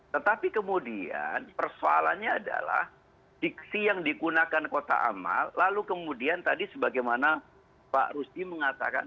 tetapi kemudian persoalannya adalah diksi yang digunakan kotak amal lalu kemudian tadi sebagaimana pak rusdi mengatakan